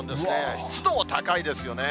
湿度も高いですよね。